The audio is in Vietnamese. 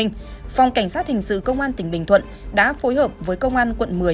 phòng cảnh sát hình sự công an tỉnh bình thuận đã phối hợp với công an quận một mươi